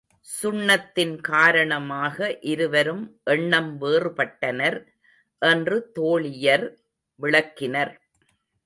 சுண்ணத்தின் காரணமாக இருவரும் எண்ணம் வேறுபட்டனர் என்று தோழியர் விளக்கினர்.